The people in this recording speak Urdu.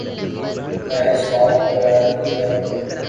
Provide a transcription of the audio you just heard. میں اس بات کا خیال رکھوں گا ـ